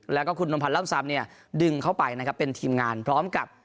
แล้วก็คุณนมพันธ์ล่ำซำเนี่ยดึงเข้าไปนะครับเป็นทีมงานพร้อมกับ